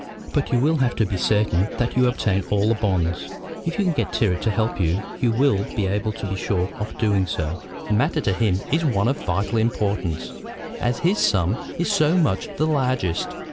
"But you will have to be certain that you obtain all the bonds. If you can get Tyrrwhit to help you you will be able to be sure of doing so. The matter to him is one of vital importance, as his sum is so much the largest.